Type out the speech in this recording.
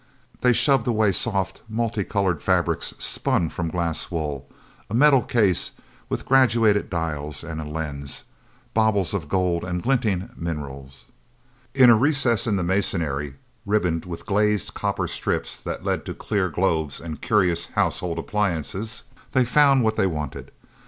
They shoved away soft, multi colored fabrics spun from glass wool, a metal case with graduated dials and a lens, baubles of gold and glinting mineral. In a recess in the masonry, ribboned with glazed copper strips that led to clear globes and curious household appliances, they found what they wanted.